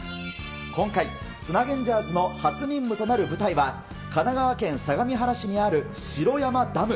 今回、繋げんジャーズの初任務となる舞台は、神奈川県相模原市にある城山ダム。